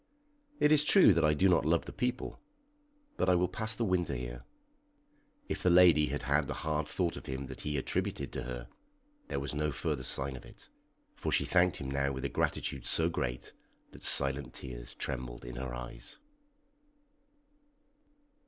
"It is true that I do not love the people, but I will pass the winter here." If the lady had had the hard thought of him that he attributed to her, there was no further sign of it, for she thanked him now with a gratitude so great that silent tears trembled in her eyes.